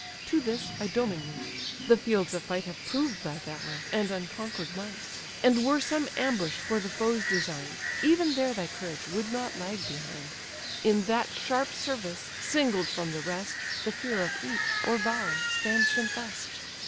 To this, Idomeneus: "The fields of fight Have proved thy valour, and unconquer'd might: And were some ambush for the foes design'd, Even there thy courage would not lag behind: In that sharp service, singled from the rest, The fear of each, or valour, stands confess'd.